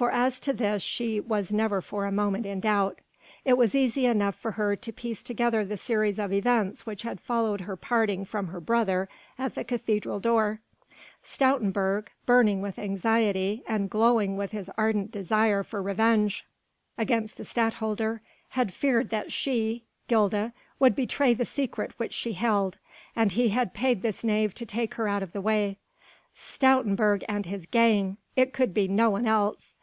For as to this she was never for a moment in doubt. It was easy enough for her to piece together the series of events which had followed her parting from her brother at the cathedral door. Stoutenburg, burning with anxiety and glowing with his ardent desire for vengeance against the Stadtholder, had feared that she Gilda would betray the secret which she held, and he had paid this knave to take her out of the way. Stoutenburg and his gang! it could be no one else!